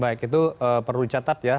baik itu perlu dicatat ya